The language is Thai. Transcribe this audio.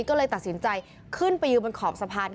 ก็เลยตัดสินใจขึ้นไปยืนบนขอบสะพาน